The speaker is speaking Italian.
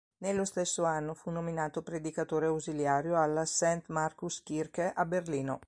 Nello stesso anno fu nominato predicatore ausiliario alla "St. Markus-Kirche" a Berlino.